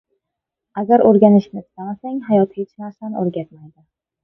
Agar o‘rganishni istamasang, hayot hech narsani o‘rgatmaydi.